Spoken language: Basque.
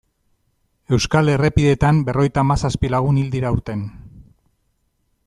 Euskal errepideetan berrogeita hamazazpi lagun hil dira aurten.